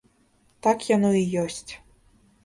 Так яно і ёсць.